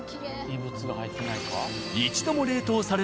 異物が入ってないか？